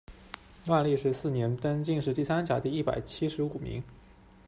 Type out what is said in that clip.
万历十四年，登进士第三甲第一百七十五名。